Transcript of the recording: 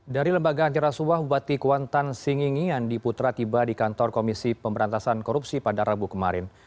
dari lembaga antirasuah bupati kuantan singingi andi putra tiba di kantor komisi pemberantasan korupsi pada rabu kemarin